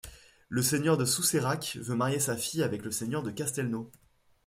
Le seigneur de Sousceyrac veut marier sa fille avec le seigneur de Castelnau.